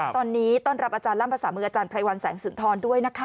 ตอนนี้ต้อนรับอาจารย์ล่ำภาษามืออาจารย์ไพรวัลแสงสุนทรด้วยนะคะ